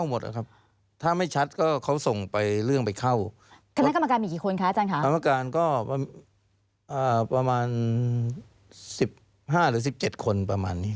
ให้ไม่ชัดก็ต้องเข้าหมดอ่ะครับ